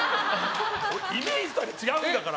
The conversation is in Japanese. イメージと違うんだから。